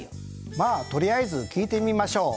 まあとりあえず聞いてみましょう。